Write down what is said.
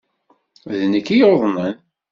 D nekk i yuḍnen.